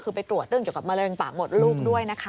คือไปตรวจเรื่องเกี่ยวกับมะเร็งปากหมดลูกด้วยนะคะ